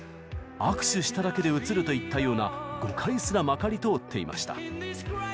握手しただけでうつるといったような誤解すらまかり通っていました。